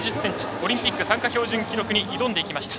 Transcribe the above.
オリンピック参加標準記録に挑んできました。